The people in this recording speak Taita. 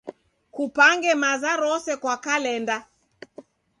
Kupange maza rose kwa kalenda.